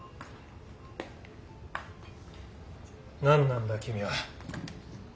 何なんだ君は。